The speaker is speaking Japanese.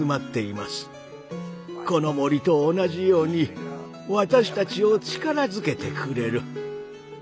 この森と同じように私たちを力づけてくれる。